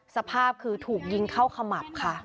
สภาพคือถูกยิงเข้าขมับค่ะ